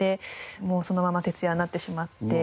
もうそのまま徹夜になってしまって。